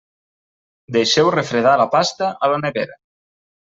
Deixeu refredar la pasta a la nevera.